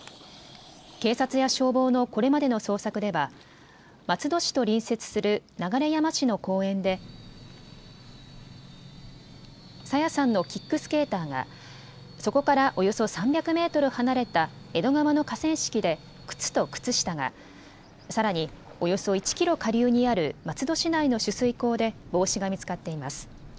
警察や消防のこれまでの捜索では松戸市と隣接する流山市の公園で朝芽さんのキックスケーターがそこからおよそ３００メートル離れた江戸川の河川敷で靴と靴下が、さらにおよそ１キロ下流にある松戸市内の取水口で帽子が見つかっています。